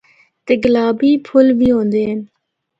تے گلابی پُھل بھی ہوندے ہن۔